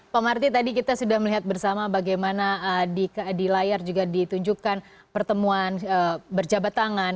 pak marty tadi kita sudah melihat bersama bagaimana di layar juga ditunjukkan pertemuan berjabat tangan